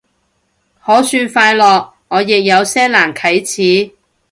可算快樂，我亦有些難啟齒